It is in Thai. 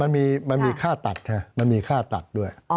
มันมีค่าตัดมันมีค่าตัดด้วย